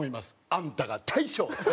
「あんたが大将」って！